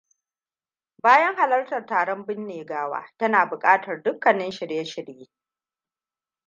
Bayan halartar taron binne gawa, tana buƙatar dukkanin shirye-shirye.